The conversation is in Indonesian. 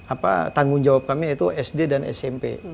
apa tanggung jawab kami itu sd dan smp